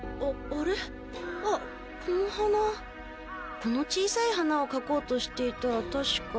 この小さい花をかこうとしていたらたしか。